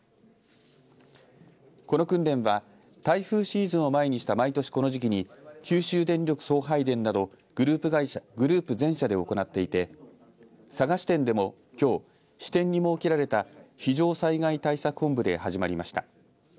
この関連は台風シーズンを前にした毎年この時期に九州電力送配電などグループ全社で行っていて佐賀支店でもきょう支店に設けられた非常災害対策本部で始まりました。